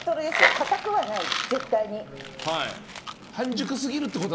かたくはない、絶対に。